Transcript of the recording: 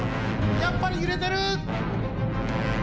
やっぱりゆれてる！